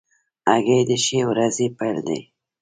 هګۍ د ښې ورځې پیل دی.